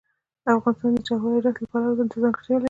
افغانستان د جواهرات د پلوه ځانته ځانګړتیا لري.